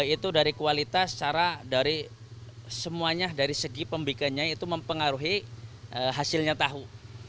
itu dari kualitas secara dari semuanya dari segi pembikanya itu mempengaruhi hasilnya tahu